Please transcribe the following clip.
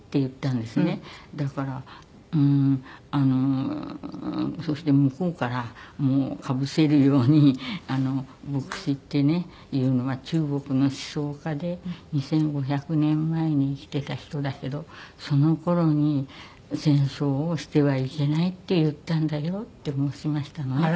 だからそして向こうからかぶせるように「墨子っていうのは中国の思想家で２５００年前に生きてた人だけどその頃に戦争をしてはいけないって言ったんだよ」って申しましたのね。